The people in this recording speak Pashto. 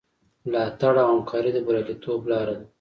ملاتړ او همکاري د بریالیتوب لاره ده.